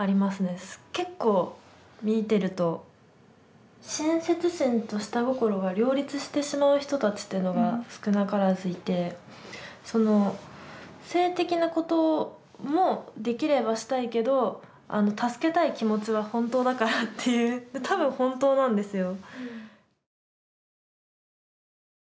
結構見てると親切心と下心が両立してしまう人たちっていうのが少なからずいてその性的なこともできればしたいけど助けたい気持ちは本当だからっていう多分本当なんですよ。